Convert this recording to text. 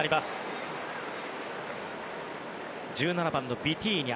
１７番、ビティーニャ。